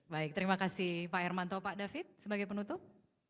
baik terima kasih pak hermanto pak david sebagai penutup